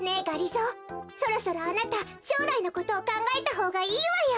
ぞーそろそろあなたしょうらいのことをかんがえたほうがいいわよ。